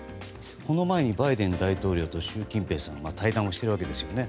この前にバイデン大統領と習近平さんが対談をしてるわけですよね。